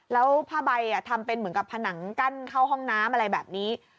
แล้วผ้าใบทำเป็นเหมือนกับผนังกั้นเข้าห้องน้ำอะไรแบบนี้